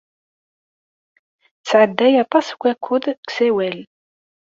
Tesɛedday aṭas n wakud deg usawal.